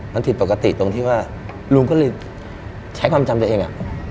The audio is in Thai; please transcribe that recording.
มันผิดปกติตรงที่ว่าลุงก็เลยใช้ความจำตัวเอง